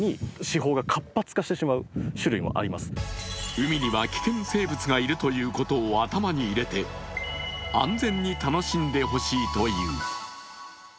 海には危険生物がいるということを頭に入れて安全に楽しんでほしいという。